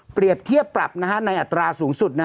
๑เปรียบเทียบปรับในอัตราสูงสุด